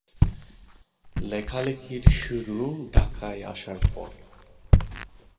লেখালেখির শুরু ঢাকায় আসার পরে।